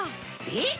えっ？